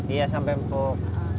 iya sampai empuk